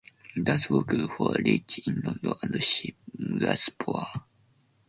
Duncan worked for Rich in London and Singapore.